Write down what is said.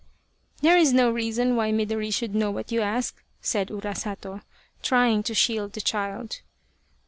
" There is no reason why Midori should know what you ask," said Urasato, trying to shield the child.